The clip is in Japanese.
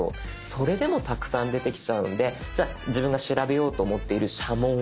それでもたくさん出てきちゃうんでじゃあ自分が調べようと思っている「社紋」を入れようとか。